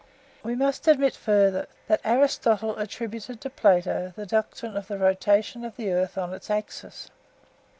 We must admit, further, (3) that Aristotle attributed to Plato the doctrine of the rotation of the earth on its axis.